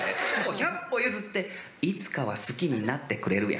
１００歩譲って「いつかは好きになってくれる？」や。